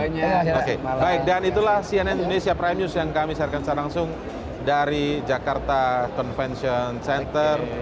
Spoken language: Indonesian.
oke baik dan itulah cnn indonesia prime news yang kami siarkan secara langsung dari jakarta convention center